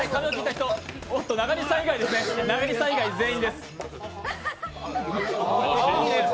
中西さん以外全員です。